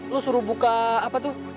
lo suruh buka apa tuh